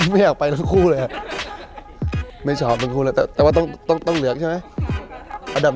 เยอะหมากเลยครับ